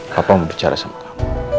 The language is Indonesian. kapan mau bicara sama kamu